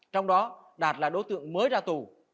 trong đó đạt là đối tượng mới ra tù